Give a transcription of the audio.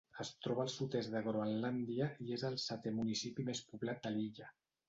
Es troba al sud-est de Groenlàndia i és el setè municipi més poblat de l'illa.